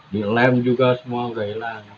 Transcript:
dan juga dilem